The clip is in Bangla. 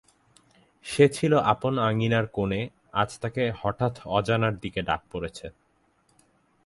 সে ছিল আপন আঙিনার কোণে, আজ তাকে হঠাৎ অজানার দিকে ডাক পড়েছে।